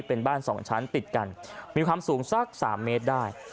เป็นบ้าน๒ชั้นติดกันมีความสูงสัก๓เมตรได้